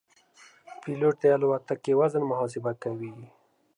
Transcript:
پیلوټ د الوتکې وزن محاسبه کوي.